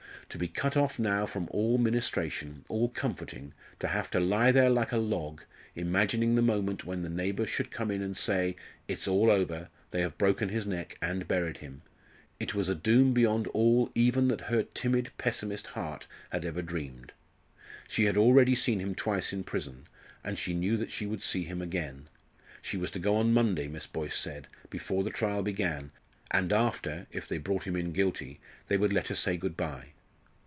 To be cut off now from all ministration, all comforting to have to lie there like a log, imagining the moment when the neighbours should come in and say, "It is all over they have broken his neck and buried him" it was a doom beyond all even that her timid pessimist heart had ever dreamed. She had already seen him twice in prison, and she knew that she would see him again. She was to go on Monday, Miss Boyce said, before the trial began, and after if they brought him in guilty they would let her say good bye.